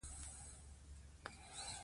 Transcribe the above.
غلامي د انسان لپاره تر ټولو بده ده.